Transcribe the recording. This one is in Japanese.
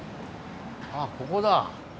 あここだ。